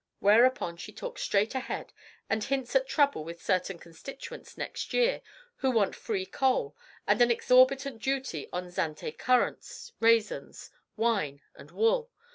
Whereupon she talks straight ahead and hints at trouble with certain constituents next year who want free coal and an exorbitant duty on Zante currants, raisins, wine, and wool.